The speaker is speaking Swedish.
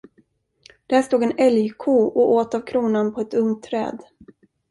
Där stod en älgko och åt av kronan på ett ungt träd.